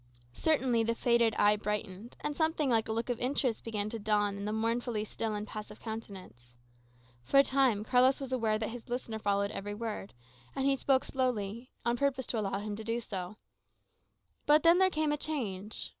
Certainly the faded eye brightened; and something like a look of interest began to dawn in the mournfully still and passive countenance. For a time Carlos was aware that his listener followed every word, and he spoke slowly, on purpose to allow him so to do. But then there came a change.